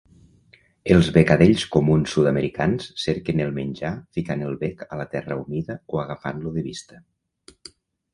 Els becadells comuns sud-americans cerquen el menjar ficant el bec a la terra humida o agafant-lo de vista.